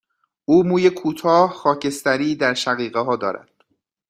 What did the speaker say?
او موی کوتاه، خاکستری در شقیقه ها دارد.